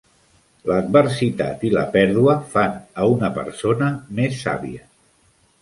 L'adversitat i la pèrdua fan a una persona més sàvia.